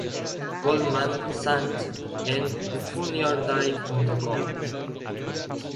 Goldman Sachs" en FunnyorDie.com.